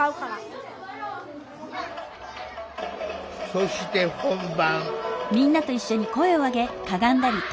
そして本番。